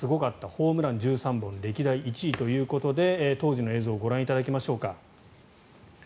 ホームラン１３本歴代１位ということで当時の映像をご覧いただきましょう。